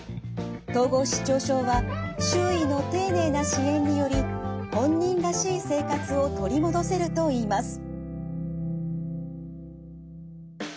統合失調症は周囲の丁寧な支援により本人らしい生活を取り戻せるといいます。